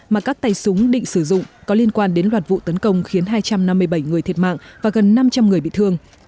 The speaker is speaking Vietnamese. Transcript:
mà các tay súng định sử dụng có liên quan đến loạt vụ tấn công khiến hai trăm năm mươi bảy người thiệt mạng và gần năm trăm linh người bị thương